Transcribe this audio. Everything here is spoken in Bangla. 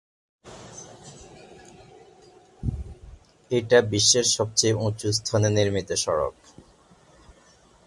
এটা বিশ্বের সবচেয়ে উঁচু স্থানে নির্মিত সড়ক।